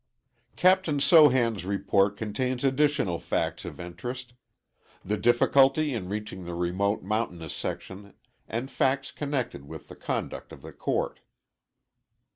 Captain Sohan's report contains additional facts of interest; the difficulty in reaching the remote, mountainous section, and facts connected with the conduct of the court.